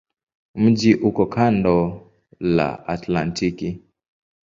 Mji uko kando la Atlantiki.